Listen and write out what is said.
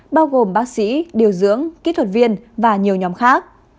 bao gồm bác sĩ điều dưỡng kỹ thuật viên và nhiều nhóm khác